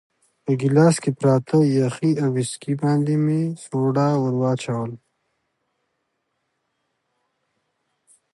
په ګیلاس کې پراته یخي او ویسکي باندې مې سوډا ورو وراچول.